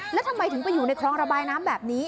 แล้วทำไมถึงไปอยู่ในคลองระบายน้ำแบบนี้